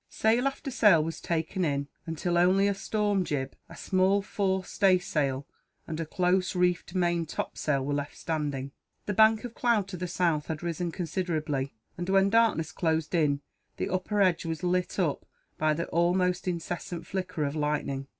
Sail after sail was taken in, until only a storm jib, a small fore stay sail, and a close reefed main top sail were left standing. The bank of cloud to the south had risen considerably and, when darkness closed in, the upper edge was lit up by the almost incessant flicker of lightning.